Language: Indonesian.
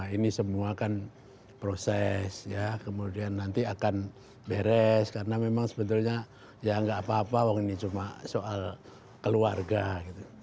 ini semua kan proses ya kemudian nanti akan beres karena memang sebetulnya ya nggak apa apa wong ini cuma soal keluarga gitu